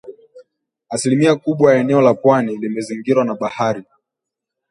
Asilimia kubwa ya eneo la pwani limezingirwa na bahari.